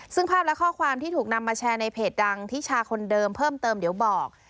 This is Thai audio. ซึ่งภาพและข้อความที่ถูกนำมาแชร์ในเพจดังที่ชาคนเดิมเพิ่มเติมเดี๋ยวบอก